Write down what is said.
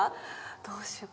どうしよう。